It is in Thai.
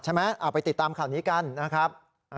เอาไปติดตามข่าวนี้กันนะครับ